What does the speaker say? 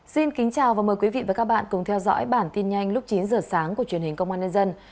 xin kính chào và mời quý vị và các bạn cùng theo dõi bản tin nhanh lúc chín giờ sáng của truyền hình công an nhân dân